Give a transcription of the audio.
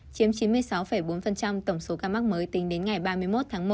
chiếm chín mươi sáu bốn tổng số ca mắc mới tính đến ngày ba mươi một tháng một